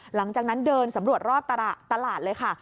หลังจากนั้นเดินสำรวจรอบตลาดเลยค่ะ